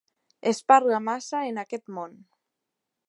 Es parla massa en aquest món.